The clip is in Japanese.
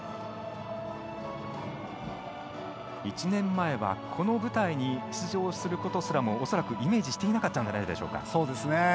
１年前はこの舞台に出場することもおそらくイメージしていなかったのではないでしょうか。